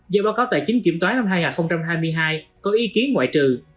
do báo cáo tài chính kiểm toán năm hai nghìn hai mươi hai có ý kiến ngoại trừ